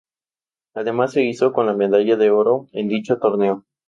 Además se hizo con la medalla de oro en dicho torneo.